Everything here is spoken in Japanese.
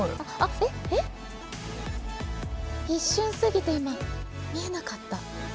えっ？一瞬すぎて今見えなかった。